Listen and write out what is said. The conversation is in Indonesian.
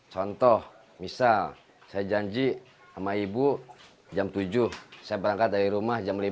contoh misal saya janji sama ibu jam tujuh saya berangkat dari rumah jam lima